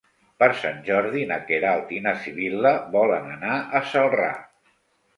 Per Sant Jordi na Queralt i na Sibil·la volen anar a Celrà.